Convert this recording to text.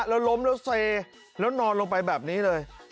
แล้วล้มแล้วเซแล้วนอนลงไปแบบนี้เลย